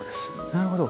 なるほど。